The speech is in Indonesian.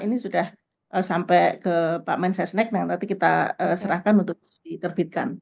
ini sudah sampai ke pak mensesnek nanti kita serahkan untuk diterbitkan